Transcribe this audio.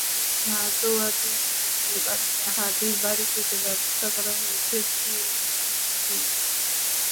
হাত ধোয়ার জন্য দুলা মিয়া হাজির বাড়ি থেকে ব্যবস্থা করা হয়েছে চিলমচি।